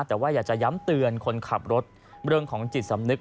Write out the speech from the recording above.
แต่ว่าอยากจะย้ำเตือนคนขับรถเรื่องของจิตสำนึก